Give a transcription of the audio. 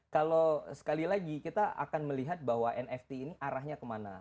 kalau sekali lagi kita akan melihat bahwa nft ini arahnya kemana